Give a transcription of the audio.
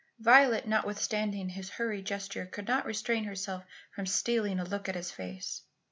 Violet, notwithstanding his hurried gesture, could not restrain herself from stealing a look at his face.